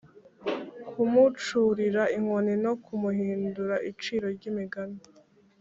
kumucurira inkoni no kumuhindura iciro ry’imigani